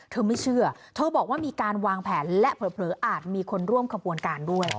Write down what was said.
ไม่เชื่อเธอบอกว่ามีการวางแผนและเผลออาจมีคนร่วมขบวนการด้วย